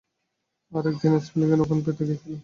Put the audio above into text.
আর একদিন স্প্যাল্ডিংদের ওখানে খেতে গিয়েছিলাম।